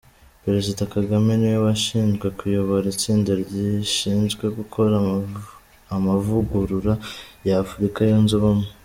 Perezida Kagame ni we washinzwe kuyobora itsinda rishinzwe gukora amavugurura y’Afurika yunze Ubumwe.